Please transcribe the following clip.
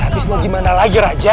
habis mau gimana lagi raja